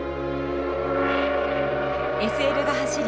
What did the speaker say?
ＳＬが走り